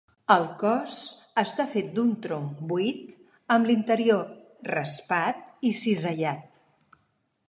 El cos està fet d'un tronc buit, amb l'interior raspat i cisellat.